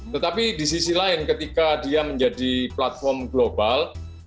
tetapi di sisi lain ketika dia menjadi platform global